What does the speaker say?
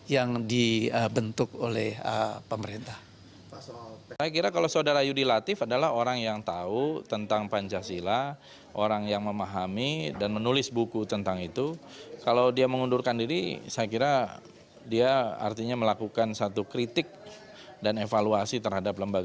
yang dibentuk oleh pemerintah